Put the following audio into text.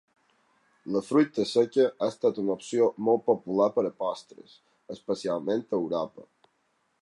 La fruita seca ha estat una opció molt popular per a postres, especialment a Europa.